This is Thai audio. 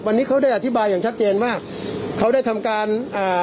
วันนี้เขาได้อธิบายอย่างชัดเจนมากเขาได้ทำการอ่า